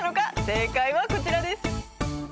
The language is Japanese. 正解はこちらです。